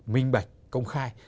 minh bạch công khai